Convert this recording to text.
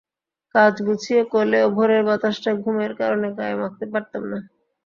কাজ গুছিয়ে করলেও ভোরের বাতাসটা ঘুমের কারণে গায়ে মাখতে পারতাম না!